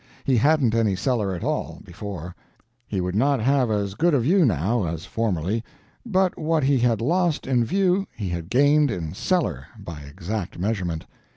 He hadn't any cellar at all, before; he would not have as good a view, now, as formerly, but what he had lost in view he had gained in cellar, by exact measurement.